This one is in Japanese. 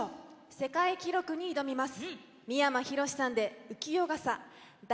世界記録に挑みます！